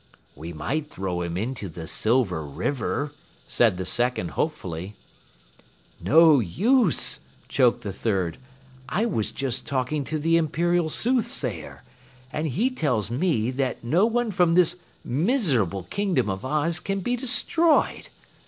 "We might throw him into the silver river," said the second hopefully. "No use," choked the third. "I was just talking to the Imperial Soothsayer, and he tells me that no one from this miserable Kingdom of Oz can be destroyed.